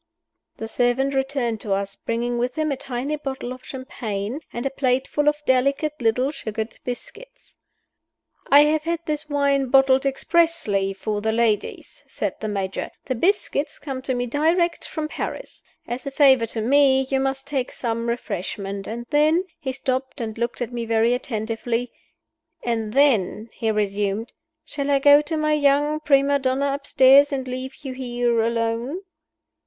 The servant returned to us, bringing with him a tiny bottle of champagne and a plateful of delicate little sugared biscuits. "I have had this wine bottled expressly for the ladies," said the Major. "The biscuits came to me direct from Paris. As a favor to me, you must take some refreshment. And then " He stopped and looked at me very attentively. "And then," he resumed, "shall I go to my young prima donna upstairs and leave you here alone?"